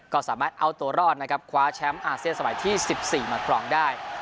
ก็สามารถเอาตัวรอดนะครับคว้าแชมป์อาเซียนสมัยที่๑๔มาครองได้